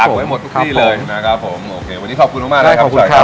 ดัดไว้หมดทุกที่เลยนะครับผมโอเควันนี้ขอบคุณมากมากครับใช่ขอบคุณครับ